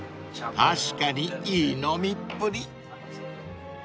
［確かにいい飲みっぷり］